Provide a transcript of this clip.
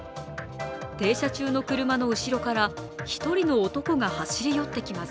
停車中の車の後ろから１人の男が走り寄ってきます。